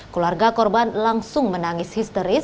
keluarga korban langsung menangis histeris